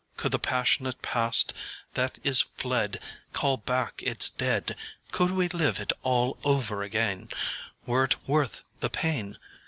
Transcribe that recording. Could the passionate past that is fled Call back its dead, Could we live it all over again, Were it worth the pain!